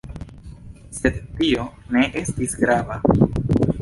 Sed tio ne estis grava.